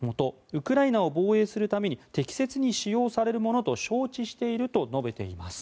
ウクライナを防衛するために適切に使用されるものと承知していると述べています。